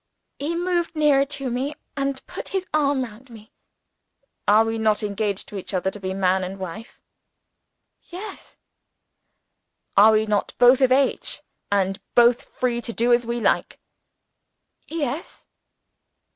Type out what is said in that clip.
He moved nearer to me; and put his arm round me. "Are we not engaged to each other to be man and wife?" he whispered. "Yes." "Are we not both of age, and both free to do as we like?" "Yes."